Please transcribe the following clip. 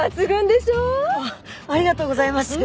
ありがとうございます。